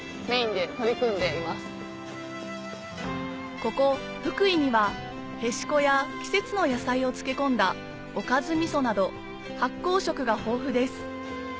ここ福井にはへしこや季節の野菜を漬け込んだおかずみそなど発酵食が豊富です